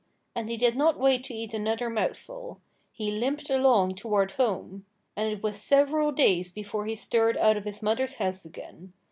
And he did not wait to eat another mouthful. He limped along toward home. And it was several days before he stirred out of his mother's house again.